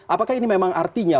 apakah ini memang artinya